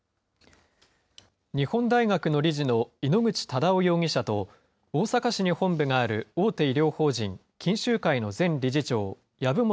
日本大学の理事の井ノ口忠男容疑者と、大阪市に本部がある大手医療法人錦秀会の前理事長、籔本